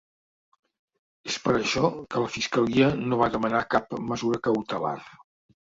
És per això que la fiscalia no va demanar cap mesura cautelar.